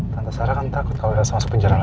tante sarah kan takut kalau elsa masuk penjara lagi